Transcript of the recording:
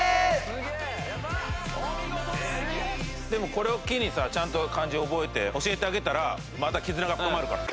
でもこれを機にさちゃんと漢字を覚えて教えてあげたらまた絆が深まるから。